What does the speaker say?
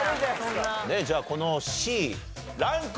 じゃあこのＣランクは？